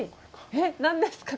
えっ何ですかこれ。